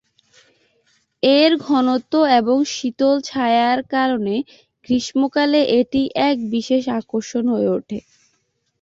এর ঘনত্ব এবং শীতল ছায়ার কারণে গ্রীষ্মকালে এটি এক বিশেষ আকর্ষণ হয়ে উঠে।